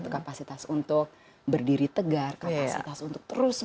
kapasitas untuk berdiri tegar kapasitas untuk terus